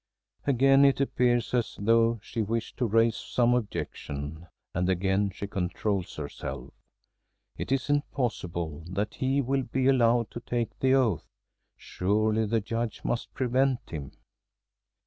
Again it appears as though she wished to raise some objection, and again she controls herself. It isn't possible that he will be allowed to take the oath. Surely the Judge must prevent him!